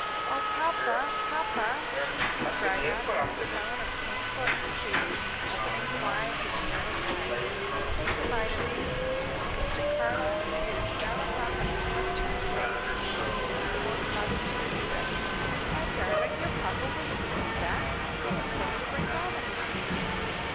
"Oh, papa! Papa!" he cried out, in a tone of painful entreaty, opening wide his yearning eyes, "say good bye to me!" Mr. Carlyle's tears fell upon the little upturned face, as he once more caught it to his breast. "My darling, your papa will soon be back. He is going to bring mamma to see you."